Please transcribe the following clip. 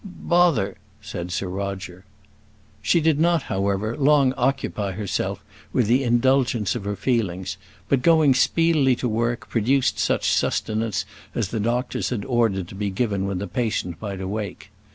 "Bother!" said Sir Roger. She did not, however, long occupy herself with the indulgence of her feelings; but going speedily to work, produced such sustenance as the doctors had ordered to be given when the patient might awake.